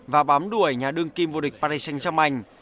và bám đuổi nhà đương kim vua địch paris saint germain